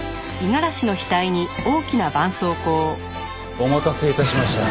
お待たせ致しました。